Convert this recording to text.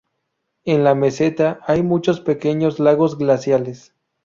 En la meseta hay muchos pequeños lagos glaciales.